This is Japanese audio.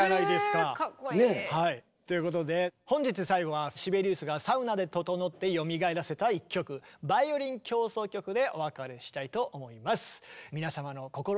へえかっこいい。ということで本日最後はシベリウスがサウナでととのってよみがえらせた一曲「バイオリン協奏曲」でお別れしたいと思います。